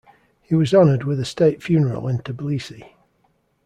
He was honored with a state funeral in Tbilisi.